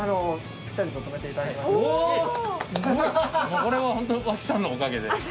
もうこれはホント脇さんのおかげで。